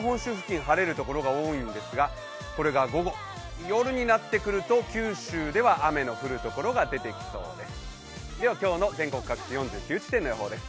まだ晴れるところが多いんですがこれが午後、夜になってくると九州では雨の降るところが出てきそうです。